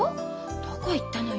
どこ行ったのよ。